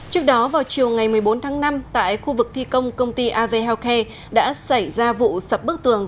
trước đó vào chiều ngày một mươi bốn tháng năm tại khu vực thi công công ty av healthcare đã xảy ra vụ sập bức tường